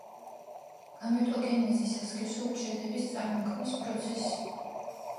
გამეტოგენეზი, სასქესო უჯრედების წარმოქმნის პროცესი.